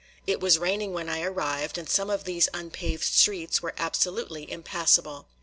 It was raining when I arrived and some of these unpaved streets were absolutely impassable.